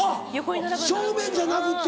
あっ正面じゃなくって。